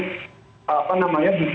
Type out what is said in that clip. karena ini jadi momentum sambung